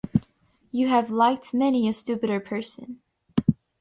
You have liked many a stupider person.